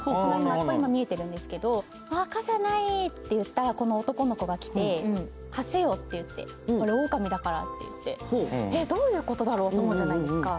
今、見えてるんですけど、傘ないっていったらこの男の子が来て、貸せよっていって、俺オオカミだからって言って、えっ、どういうことだろうと思うじゃないですか。